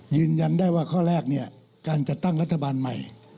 ยืนยันได้ว่าข้อแรกเนี่ยการจัดตั้งรัฐบาลใหม่